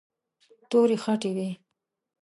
تورې خټې وې.